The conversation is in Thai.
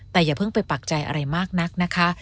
แต่อย่าเพิ่งไปปักใจอะไรมากนักนะคะ